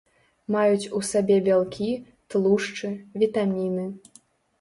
Маюць у сабе бялкі, тлушчы, вітаміны.